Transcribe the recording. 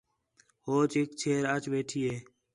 ہوچ ہِک چھیر اَچ ویٹھی ہِے